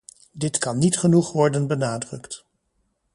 Dit kan niet genoeg worden benadrukt.